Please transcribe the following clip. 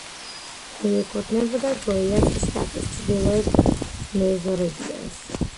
მიეკუთვნება გოიასის შტატის ჩრდილოეთ მეზორეგიონს.